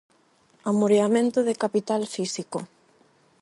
Amoreamento de capital físico.